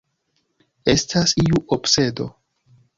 Estas iu obsedo.